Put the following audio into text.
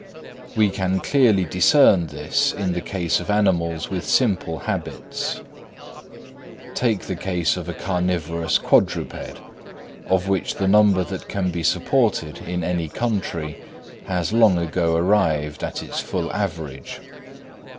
We can clearly discern this in the case of animals with simple habits. Take the case of a carnivorous quadruped, of which the number that can be supported in any country has long ago arrived at its full average.